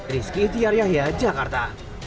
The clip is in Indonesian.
rizky tiaryah jakarta